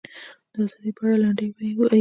د ازادۍ په اړه لنډۍ ووایي.